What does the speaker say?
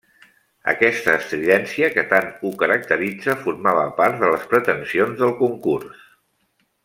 Aquesta estridència que tant ho caracteritza formava part de les pretensions del concurs.